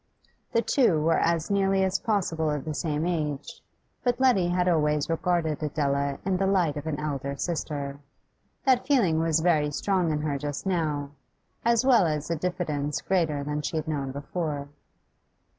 The two were as nearly as possible of the same age, but Letty had always regarded Adela in the light of an elder sister; that feeling was very strong in her just now, as well as a diffidence greater than she had known before.